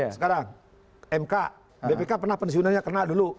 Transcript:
sekarang mk bpk pernah pensiunannya kena dulu